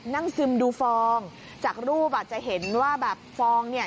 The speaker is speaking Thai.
ซึมดูฟองจากรูปอ่ะจะเห็นว่าแบบฟองเนี่ย